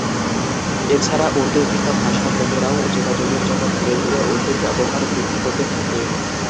এছাড়া উর্দু ভিন্ন ভাষার লোকেরাও যোগাযোগের জন্য ধীরে ধীরে উর্দুর ব্যবহার বৃদ্ধি করতে থাকে।